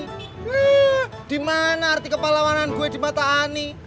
heeeh dimana arti kepala warna gue di mata ani